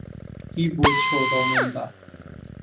কী বলছ রমেনদা!